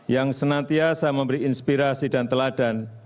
yang senantiasa memberi inspirasi dan teladan